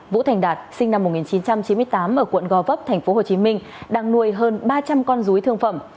vũ thành đạt sinh năm một nghìn chín trăm chín mươi tám ở quận gò vấp tp hcm đang nuôi hơn ba trăm linh con rúi thương phẩm